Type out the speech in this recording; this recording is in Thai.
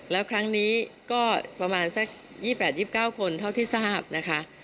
แล้วครั้งนี้ก็ประมาณสัก๒๘๒๙คนเท่าที่ทราบนะคะ